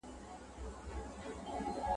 لکه هوا پر هره خوا ورځمه